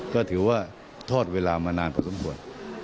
ก็ถือว่าทอดเวลามานานพอสมควร